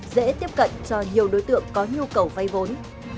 dễ tiếp cận cho nhiều đối tượng có nhu cầu vay vốn